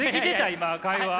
今会話？